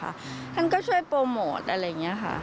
ท่านก็ช่วยโปรโมทอะไรอย่างนี้ค่ะ